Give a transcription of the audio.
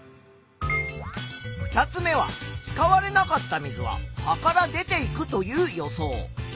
２つ目は使われなかった水は葉から出ていくという予想。